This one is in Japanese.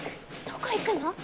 どこ行くの？